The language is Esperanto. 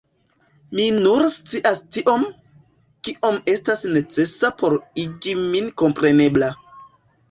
Mi nur scias tiom, kiom estas necesa por igi min komprenebla.